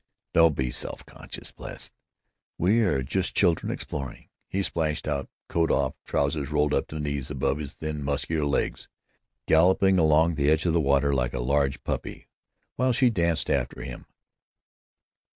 "Don't be self conscious, blessed. We are just children exploring." He splashed out, coat off, trousers rolled to the knee above his thin, muscular legs, galloping along the edge of the water like a large puppy, while she danced after him.